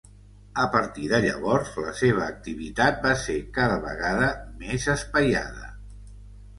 A partir de llavors la seva activitat va ser cada vegada més espaiada.